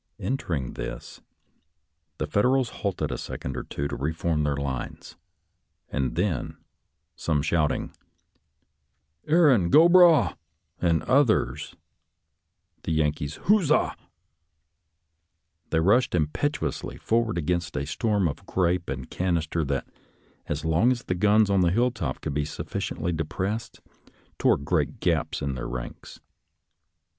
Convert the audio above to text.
Entering this, the Federals halted a second or two to reform their lines; and then, some shout ing, " Erin go bragh !" and others the Yankee huzzah, they rushed impetuously forward against a storm of grape and canister that, as long as the guns on the hilltop could be sufficiently de pressed, tore great gaps in their ranks.